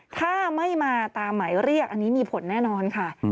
ถ้าไม่มาตามหมายเรียกอันนี้มีผลแน่นอนค่ะ